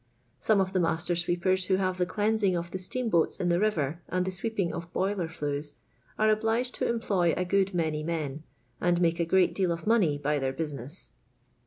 Some of the master sweepers, who have the cleansing of the steam boats in the river, and the sweeping of boiler flues are obliged to employ a good many men, and make a great deal of money by their busi ness.